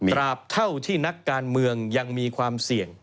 เท่าที่นักการเมืองยังมีความเสี่ยง